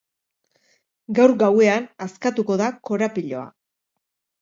Gaur gauean askatuko da korapiloa.